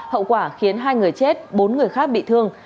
hậu quả khiến hai người chết bốn người khác bị thương